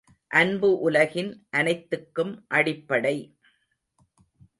அன்பு உலகின் அனைத்துக்கும் அடிப்படை.